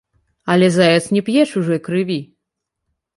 Але заяц не п'е чужой крыві.